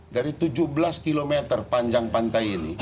dari tujuh belas km panjang pantai ini